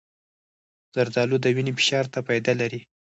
زردالو د وینې فشار ته فایده لري.